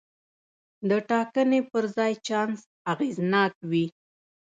د ټاکنې پر ځای چانس اغېزناک وي.